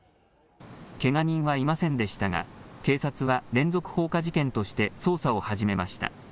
けが人はいませんでしたが、警察は連続放火事件として捜査を始めました。